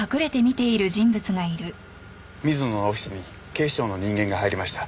水野のオフィスに警視庁の人間が入りました。